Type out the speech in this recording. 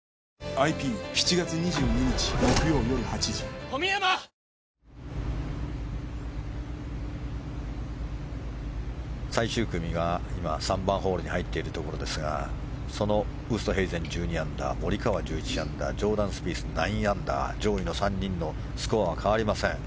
ここは２人ともグリーンを外して最終組が今３番ホールに入っているところですがそのウーストヘイゼン１２アンダーモリカワ、１１アンダージョーダン・スピース９アンダー上位の３人のスコアは変わりません。